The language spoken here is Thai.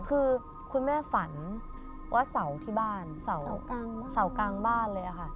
คือคุณแม่ฝันว่าเสาที่บ้านเสากลางบ้านเลยค่ะ